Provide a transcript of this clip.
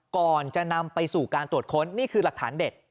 ก่อนจะนำไปสู่การตรวจค้นนี่คือหลักฐานเด็ด